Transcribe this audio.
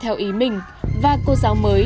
theo ý mình và cô giáo mới